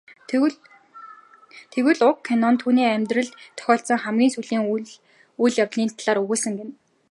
Тэгвэл уг кино түүний амьдралд тохиолдсон хамгийн сүүлийн үйл явдлын талаар өгүүлсэн гэнэ.